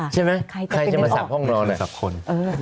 ใช่ไหมใครจะมาสับห้องนอน